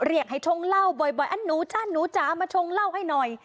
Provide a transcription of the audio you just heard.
เรียกให้ชงเหล้าบ่อยบ่อยอันนูจ๊ะอันนูจ๊ะมาชงเหล้าให้หน่อย